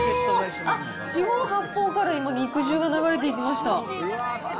あっ、四方八方から今、肉汁が流れていきました。